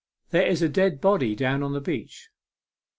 There is a dead body down on the beach."